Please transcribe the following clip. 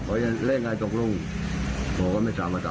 กูไหวแล้ว